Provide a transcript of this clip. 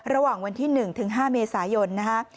ระหว่างวันที่๑ถึง๕เมษายนนะคะ